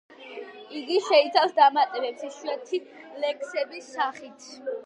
იგი შეიცავს დამატებებს, იშვიათი ლექსების სახით.